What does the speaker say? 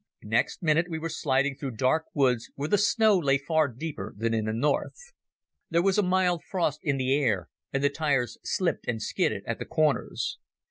Next minute we were sliding through dark woods where the snow lay far deeper than in the north. There was a mild frost in the air, and the tyres slipped and skidded at the corners.